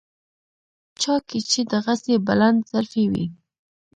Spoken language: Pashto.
چا کې چې دغسې بلندظرفي وي.